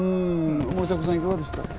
森迫さん、いかがでした？